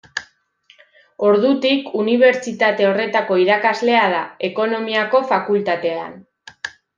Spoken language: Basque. Ordutik unibertsitate horretako irakaslea da, ekonomiako fakultatean.